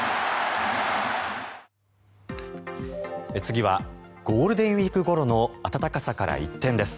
次はゴールデンウィークごろの暖かさから一転です。